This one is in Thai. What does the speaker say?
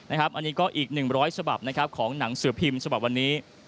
อันนี้ก็อีก๑๐๐ฉบับของหนังสือพิมพ์ฉบับวันนี้